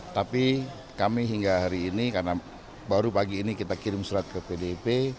tapi kami hingga hari ini karena baru pagi ini kita kirim surat ke pdip